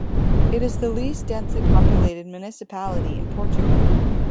It is the least densely populated municipality in Portugal.